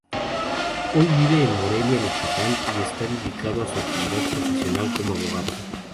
Hoy vive en Morelia, Michoacán y está dedicado a su actividad profesional como abogado.